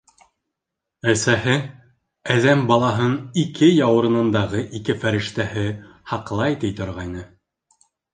Әсәһе, әҙәм балаһын ике яурынындағы ике фәрештәһе һаҡлай, ти торғайны.